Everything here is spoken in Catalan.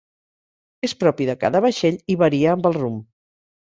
És propi de cada vaixell, i varia amb el rumb.